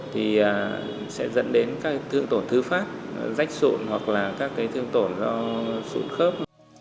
thì sẽ dẫn đến các thương tổn thư phát sụn hoặc là các cái thương tổn do sụn khớp